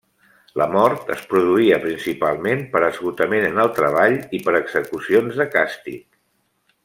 La mort es produïa principalment per esgotament en el treball i per execucions de càstig.